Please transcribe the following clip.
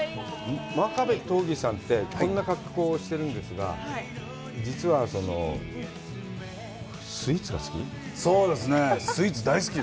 真壁刀義さんってこんな格好をしているんですが、実は、スイーツが好き？